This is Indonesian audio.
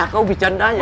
kau bicara bicara aja